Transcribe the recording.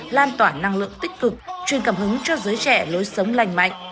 lan tỏa năng lượng tích cực truyền cảm hứng cho giới trẻ lối sống lành mạnh